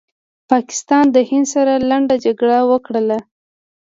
پاکستان د هند سره لنډه جګړه وکړله